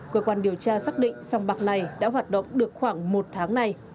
cơ quan điều tra xác định sông bạc này đã hoạt động được khoảng một tháng này